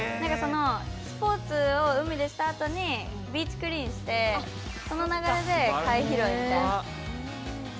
スポーツを海でしたあとにビーチクリーンしてその流れで貝拾いみたいな。